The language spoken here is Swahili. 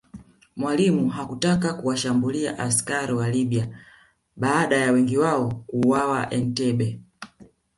Mwalimu hakutaka kuwashambulia askari wa Libya baada ya wengi wao kuuawa Entebbe